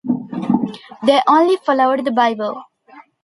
They only followed the Bible.